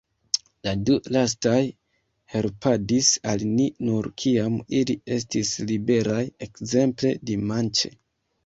La du lastaj helpadis al ni nur kiam ili estis liberaj, ekzemple dimanĉe.